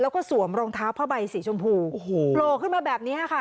แล้วก็สวมรองเท้าผ้าใบสีชมพูโอ้โหโผล่ขึ้นมาแบบนี้ค่ะ